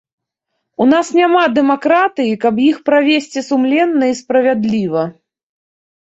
У нас няма дэмакратыі, каб іх правесці сумленна і справядліва.